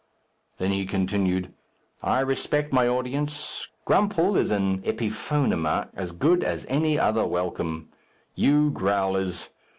Then he continued, "I respect my audience. Grumphll is an epiphonema as good as any other welcome. You growlers.